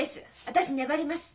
私粘ります。